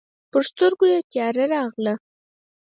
پر سترګو يې تياره راغله.